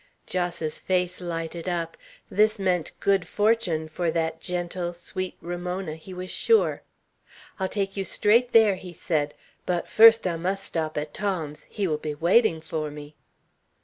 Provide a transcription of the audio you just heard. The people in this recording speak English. Jos's face lighted up. This meant good fortune for that gentle, sweet Ramona, he was sure. "I'll take you straight there," he said; "but first I must stop at Tom's. He will be waiting for me."